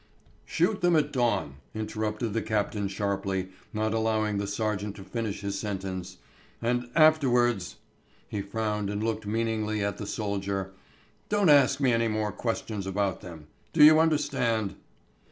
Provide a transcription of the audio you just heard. "Shoot them at dawn," interrupted the captain sharply, not allowing the sergeant to finish his sentence, "And afterwards" he frowned and looked meaningly at the soldier "don't ask me any more questions about them. Do you understand?"